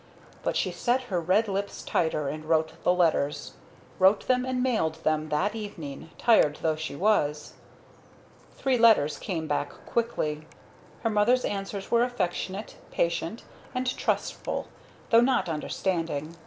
But she set her red lips tighter and wrote the letters; wrote them and mailed them that evening, tired though she was. Three letters came back quickly. Her mother's answer was affectionate, patient, and trustful, though not understanding.